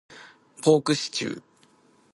ポークシチュー